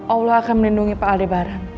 allah akan melindungi pak aldebar